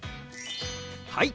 はい！